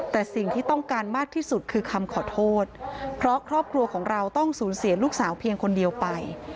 แต่สิ่งที่ต้องการมากที่สุดคือคำขอโทษเพราะครอบครัวของเราต้องสูญเสียลูกสาวเพียงคนเดียวไป